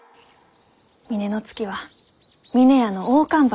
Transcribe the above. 峰乃月は峰屋の大看板。